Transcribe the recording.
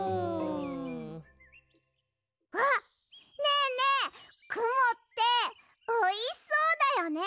ねえねえくもっておいしそうだよね！